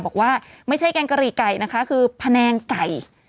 บอกว่าไม่ใช่แกงกะหรี่ไก่นะคะคือแผนงไก่